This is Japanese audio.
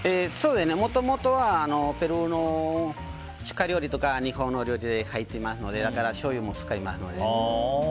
もともとはペルーの料理とか日本の料理が入ってますのでしょうゆも使いますので。